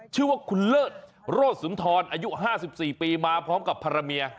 ชื่อว่าคุณเลิศโรดสุงทรอายุ๕๔ปีมาพรหมากกับพาระเมีย